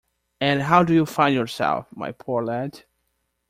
And how do you find yourself, my poor lad?